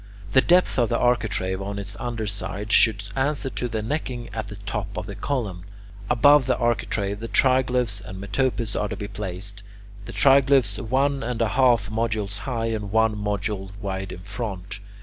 The depth of the architrave on its under side should answer to the necking at the top of the column. Above the architrave, the triglyphs and metopes are to be placed: the triglyphs one and one half modules high, and one module wide in front.